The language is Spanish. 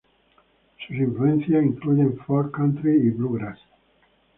Sus influencias incluyen folk, country y bluegrass.